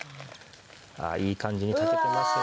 ああいい感じに炊けてますよ。